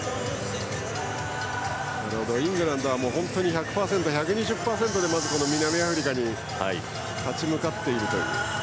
イングランドは本当に１００％、１２０％でまず南アフリカに立ち向かっているという。